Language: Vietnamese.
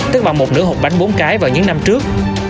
tức bằng một nửa hộp bánh bốn cái vào những năm trước